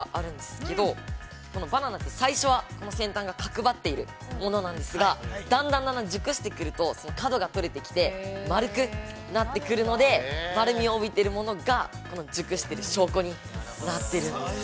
◆正解はＡで、このＢ、現物があるんですけれども、バナナって、最初は先端が角ばっているものなんですが、だんだん熟してくると角が取れてきて、丸くなってくるので、丸みを帯びているものが熟してる証拠になっているんです。